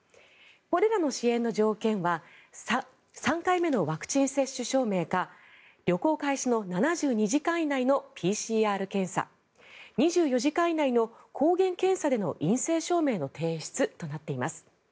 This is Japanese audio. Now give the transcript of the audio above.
これらの支援の条件は３回目のワクチン接種証明か旅行開始の７２時間以内のＰＣＲ検査２４時間以内の抗原検査での陰性証明書の提出となっています。